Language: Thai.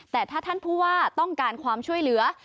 แต่ถ้าท่านผู้ว่าต้องการความช่วยเหลือ